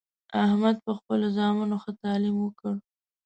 احمد په خپلو زامنو ښه تعلیم وکړ